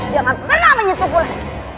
jangan pernah menyetup ulan